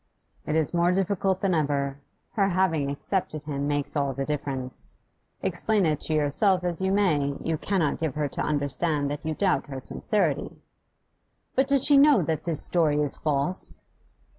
'It is more difficult than ever. Her having accepted him makes all the difference. Explain it to yourself as you may, you cannot give her to understand that you doubt her sincerity.' 'But does she know that this story is false?